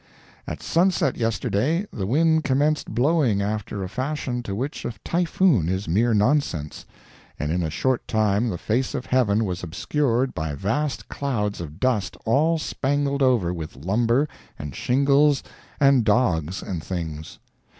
—At sunset yesterday, the wind commenced blowing after a fashion to which a typhoon is mere nonsense, and in a short time the face of heaven was obscured by vast clouds of dust all spangled over with lumber, and shingles, and dogs and things.